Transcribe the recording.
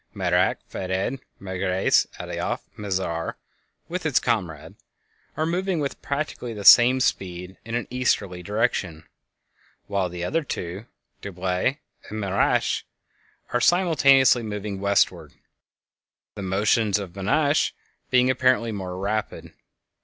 _ Merak, Phaed, Megrez, Alioth, and Mizar (with its comrade)—are moving with practically the same speed in an easterly direction, while the other two, Dubhe and Benetnasch, are simultaneously moving westward, the motions of Benetnasch being apparently more rapid.